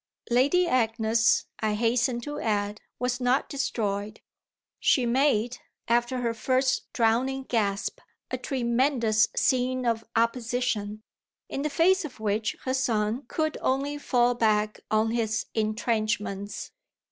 Lady Agnes, I hasten to add, was not destroyed; she made, after her first drowning gasp, a tremendous scene of opposition, in the face of which her son could only fall back on his intrenchments.